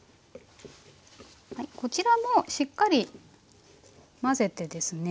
こちらもしっかり混ぜてですね。